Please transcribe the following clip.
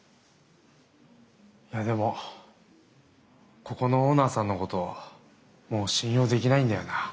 いやでもここのオーナーさんのこともう信用できないんだよな。